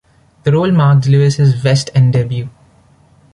The role marked Lewis's West End debut.